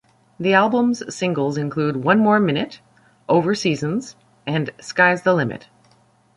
The album's singles include "One More Minute", "Over Seasons" and "Sky's the Limit.